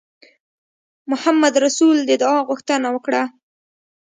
محمدرسول د دعا غوښتنه وکړه.